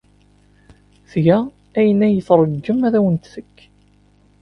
Tga ayen ay tṛeggem ad awen-t-teg.